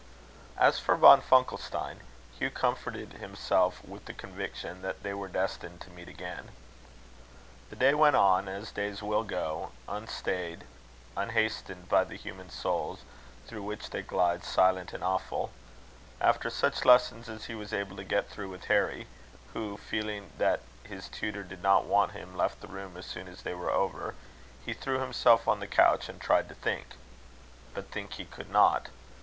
As for Von Funkelstein, Hugh comforted himself with the conviction that they were destined to meet again. The day went on, as days will go, unstayed, unhastened by the human souls, through which they glide silent and awful. After such lessons as he was able to get through with Harry, who, feeling that his tutor did not want him, left the room as soon as they were over he threw himself on the couch, and tried to think. But think he could not.